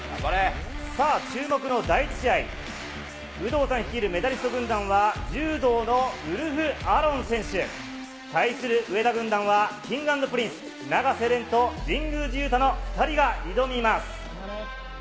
さあ、注目の第１試合、有働さん率いるメダリスト軍団は、柔道のウルフ・アロン選手、対する上田軍団は、Ｋｉｎｇ＆Ｐｒｉｎｃｅ・永瀬廉と、神宮寺勇太の２人が挑みます。